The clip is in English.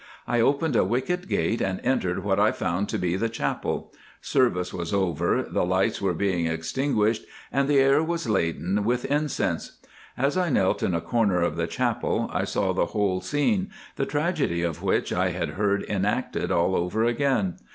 I opened a wicket gate and entered what I found to be the chapel; service was over, the lights were being extinguished, and the air was laden with incense. As I knelt in a corner of the chapel I saw the whole scene, the tragedy of which I had heard, enacted all over again.